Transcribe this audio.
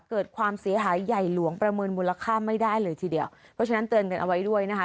เกิดความเสียหายใหญ่หลวงประเมินมูลค่าไม่ได้เลยทีเดียวเพราะฉะนั้นเตือนกันเอาไว้ด้วยนะคะ